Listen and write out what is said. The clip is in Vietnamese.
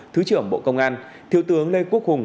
thứ trưởng bộ công an thiếu tướng lê quốc hùng